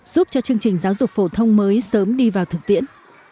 giúp cho chương trình giáo dục phổ thông mới sớm đi vào thực tiễn